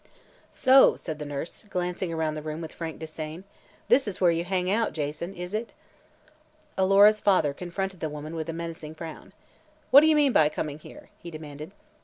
"So," said the nurse, glancing around the room with frank disdain, "this is where you hang out, Jason, is it?" Alora's father confronted the woman with a menacing frown. "What do you mean by coming here?" he demanded.